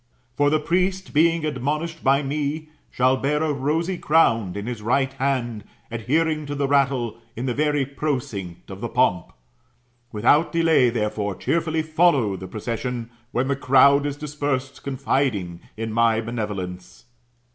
" For the priest, being admonished by me, shall bear a rosy crown in his right hand, adhering to the rattle, in the very procinct of the pomp. Without delay, therefore, cheerfully follow the procession when the crowd is dispersed, confiding in my benevolence.